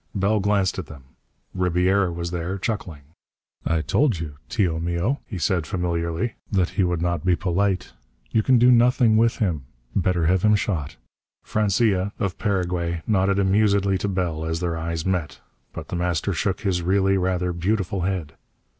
Bell glanced at them. Ribiera was there, chuckling. "I told you, tio mio," he said familiarly, "that he would not be polite. You can do nothing with him. Better have him shot." Francia, of Paraguay, nodded amusedly to Bell as their eyes met. But The Master shook his really rather beautiful head.